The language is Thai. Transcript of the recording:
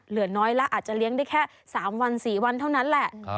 เหลือน้อยละอาจจะเลี้ยงได้แค่๓วัน๔วันเท่านั้นแหละ